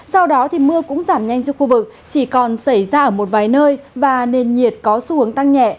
sau đó thì mưa cũng giảm nhanh cho khu vực chỉ còn xảy ra ở một vài nơi và nền nhiệt có xu hướng tăng nhẹ